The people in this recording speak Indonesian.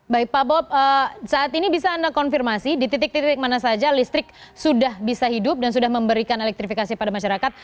baik pak bob saat ini bisa anda konfirmasi di titik titik mana saja listrik sudah bisa hidup dan sudah memberikan elektrifikasi pada masyarakat